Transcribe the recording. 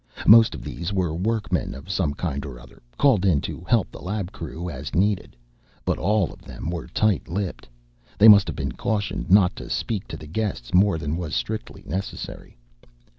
Most of these were workmen of some kind or other, called in to help the lab crew as needed, but all of them were tight lipped. They must have been cautioned not to speak to the guest more than was strictly necessary.